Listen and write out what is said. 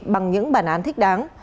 bằng những bản án thích đáng